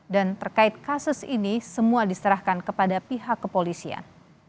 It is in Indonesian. dan terkait kasus ini semua diserahkan kepada pihak kepolisian